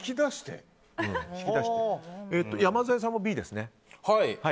山添さんもＢですね。